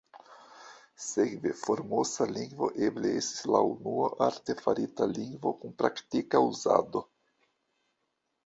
Sekve, Formosa lingvo eble estis la unua artefarita lingvo kun praktika uzado.